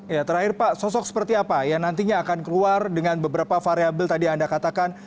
ya terakhir pak sosok seperti apa yang nantinya akan keluar dengan beberapa variabel tadi anda katakan